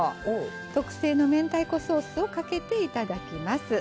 特製の明太子ソースをかけていただきます。